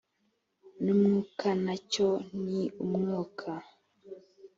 n umwuka na cyo ni umwuka